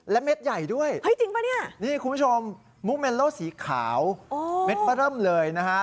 แล้วเม็ดใหญ่ด้วยคุณผู้ชมมุกเมลโลสีขาวเม็ดประเริ่มเลยนะฮะ